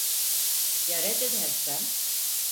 Ya reddedersem?